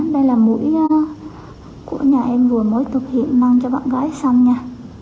đây là mũi của nhà em vừa mới thực hiện mang cho bạn gái xong nha